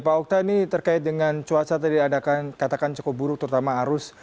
pak okta ini terkait dengan cuaca tadi anda katakan cukup buruk terutama arus